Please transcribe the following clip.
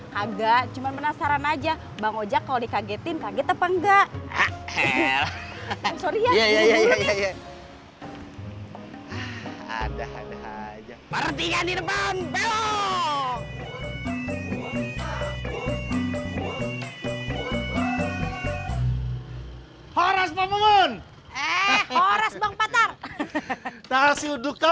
kagak cuman penasaran aja bang ojak kalau dikagetin kaget apa enggak